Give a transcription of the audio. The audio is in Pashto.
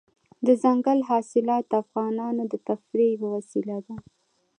دځنګل حاصلات د افغانانو د تفریح یوه وسیله ده.